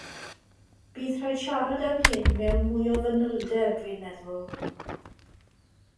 Bydd rhaid siarad am hyn mewn mwy o fanylder dwi'n meddwl.